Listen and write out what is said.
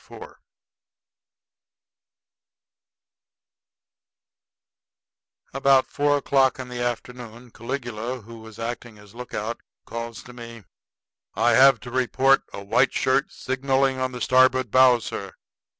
IV About four o'clock in the afternoon, Caligula, who was acting as lookout, calls to me: "I have to report a white shirt signalling on the starboard bow, sir."